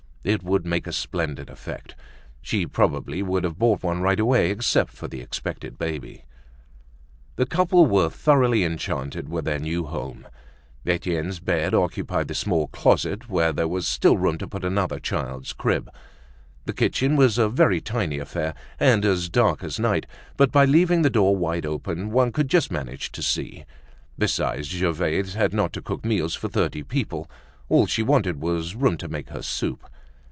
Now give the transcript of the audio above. It would make a splendid effect. She probably would have bought one right away except for the expected baby. The couple were thoroughly enchanted with their new home. Etienne's bed occupied the small closet, where there was still room to put another child's crib. The kitchen was a very tiny affair and as dark as night, but by leaving the door wide open, one could just manage to see; besides, Gervaise had not to cook meals for thirty people, all she wanted was room to make her soup.